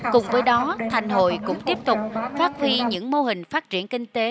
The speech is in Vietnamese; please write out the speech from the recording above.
cùng với đó thành hội cũng tiếp tục phát huy những mô hình phát triển kinh tế